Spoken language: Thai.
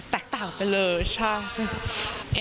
แตกต่างไปเลยใช่